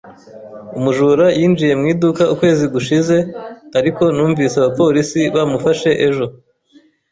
Umujura yinjiye mu iduka ukwezi gushize, ariko numvise abapolisi bamufashe ejo.